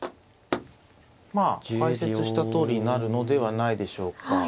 まあ解説したとおりになるのではないでしょうか。